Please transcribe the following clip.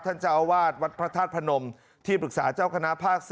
เจ้าอาวาสวัดพระธาตุพนมที่ปรึกษาเจ้าคณะภาค๔